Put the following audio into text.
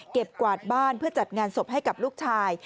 กวาดบ้านเพื่อจัดงานศพให้กับลูกชาย